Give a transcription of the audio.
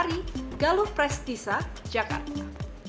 dari galuh prestisa jakarta